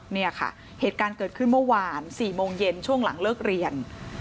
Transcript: เนี่ยค่ะเหตุการณ์เกิดขึ้นเมื่อวาน๔โมงเย็นช่วงหลังเลิกเรียน